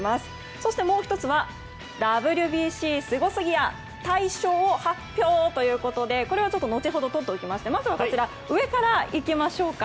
そして、もう１つはＷＢＣスゴすぎや大賞発表！ということでこれは後ほどとっておきまして上からいきましょうか。